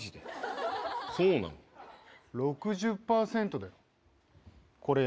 ６０％だよ。